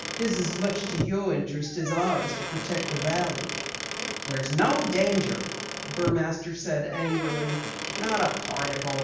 It's as much to your interest as ours to protect the valley." "There's no danger," Burmaster said angrily. "Not a particle.